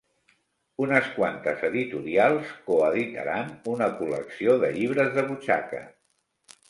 Unes quantes editorials coeditaran una col·lecció de llibres de butxaca.